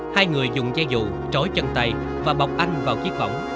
hai người dùng dây dù trối chân tay và bọc anh vào chiếc vỏng